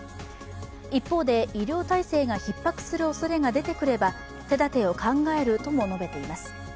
一方で、医療体制がひっ迫するおそれが出てくれば、手だてを考えるとも述べています。